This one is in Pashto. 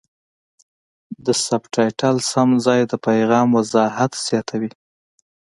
د سبټایټل سم ځای د پیغام وضاحت زیاتوي.